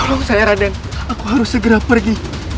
oh saya raden aku harus segera pergi